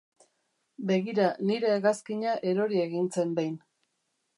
Begira, nire hegazkina erori egin zen behin.